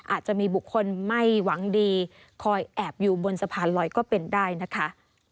อาจจะมีบุคคลไม่หวังดีคอยแอบอยู่บนสะพานลอยก็เป็นได้นะคะ